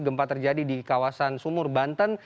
gempa terjadi di kawasan sumur banten